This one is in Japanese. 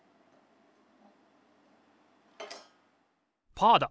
パーだ！